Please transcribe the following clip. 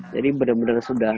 jadi benar benar sudah